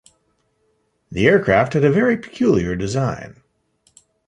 The aircraft had a very peculiar design.